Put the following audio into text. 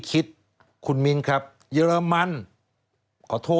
สวัสดีค่ะต้อนรับคุณบุษฎี